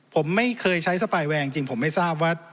ผมไม่เคยใช้สปายแวร์จริงผมไม่ทราบว่า